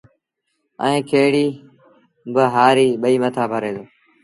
ائيٚݩ کيڙيٚ با هآريٚ ٻئيٚ مٿآ ڀري دو